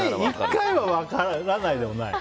１回は分からないでもない。